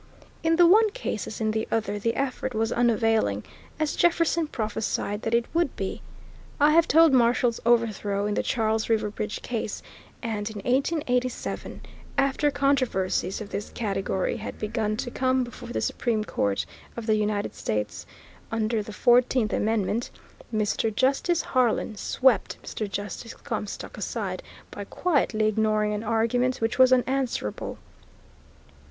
In the one case as in the other the effort was unavailing, as Jefferson prophesied that it would be. I have told of Marshall's overthrow in the Charles River Bridge Case, and in 1887, after controversies of this category had begun to come before the Supreme Court of the United States under the Fourteenth Amendment, Mr. Justice Harlan swept Mr. Justice Comstock aside by quietly ignoring an argument which was unanswerable.